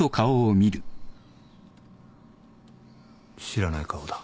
知らない顔だ。